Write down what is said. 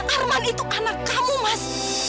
arman itu anak kamu mas